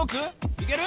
いける？